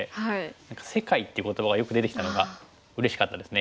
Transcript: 何か「世界」っていう言葉がよく出てきたのがうれしかったですね。